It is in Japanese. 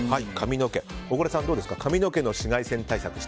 小倉さん、どうですか髪の毛の紫外線対策。